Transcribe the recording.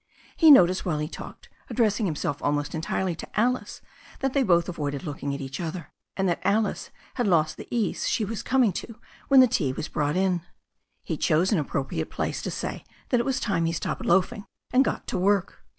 He noticed while he talked, ad dressing himself almost entirely to Alice, that they both avoided looking at each other, and that Alice had lost the ease she was coming to when the tea was brought in. He chose an appropriate place to say that it was time he stopped loafing and got to work.